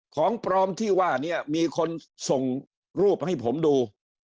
ของปลอมที่ว่านี้มีคนส่งรูปให้ผมดู